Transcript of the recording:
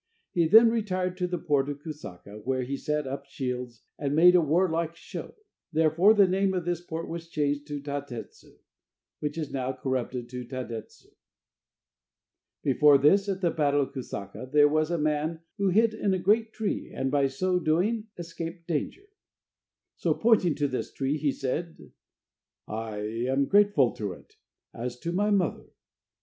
He then retired to the port of Kusaka, where he set up shields, and made a warlike show. Therefore the name of this port was changed to Tatetsu, which is now corrupted into Tadetsu. Before this, at the battle of Kusaka, there was a man who hid in a great tree, and by so doing escaped danger. So pointing to this tree, he said: "I am grateful to it, as to my mother."